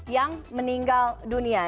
yang meninggal dunia